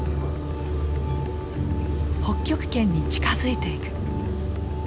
北極圏に近づいていく。